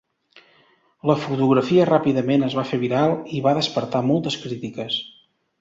La fotografia ràpidament es va fer viral i va despertar moltes crítiques.